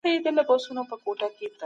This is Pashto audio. خو څوک د ژبې باره نه څېړي.